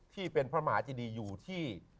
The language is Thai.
ที่เป็นพระมหาเจดีอยู่ที่